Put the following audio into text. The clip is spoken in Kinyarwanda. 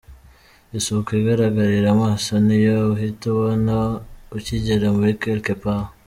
Isuku igaragararira amaso niyo uhita ubona ukigera muri Quelque Part.